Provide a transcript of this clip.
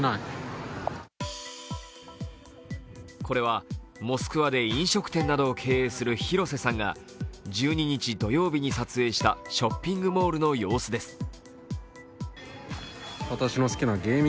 これはモスクワで飲食店などを経営する廣瀬さんが、１２日土曜日に撮影したショッピングモールの様子です。